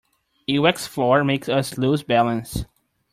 A waxed floor makes us lose balance.